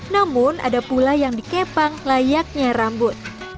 namun ada pula yang dikepang layaknya rambut